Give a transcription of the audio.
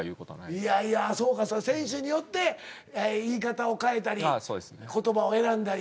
いやいやそうか選手によって言い方を変えたり言葉を選んだり。